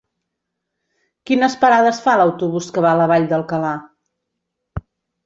Quines parades fa l'autobús que va a la Vall d'Alcalà?